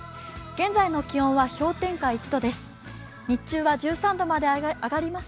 現在の気温は氷点下１度です。